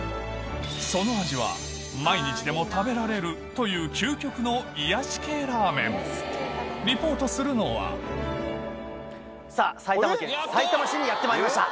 その味は毎日でも食べられるというリポートするのはさぁ埼玉県さいたま市にやってまいりました。